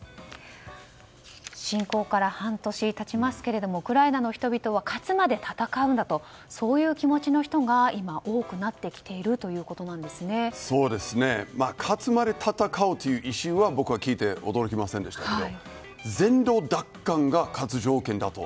侵攻から半年経ちますけどウクライナの人々は勝つまで戦うんだとそういう気持ちの人が今、多くなってきている勝つまで戦うという意思は僕は聞いても驚きませんでしたが全土奪還が勝つ条件だと。